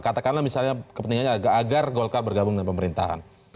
katakanlah misalnya kepentingannya agar golkar bergabung dengan pemerintahan